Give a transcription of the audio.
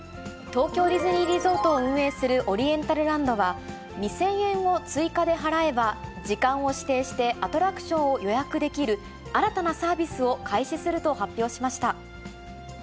東京ディズニーリゾートを運営するオリエンタルランドは、２０００円を追加で払えば、時間を指定してアトラクションを予約できる新たなサービスを開始すると発表しました。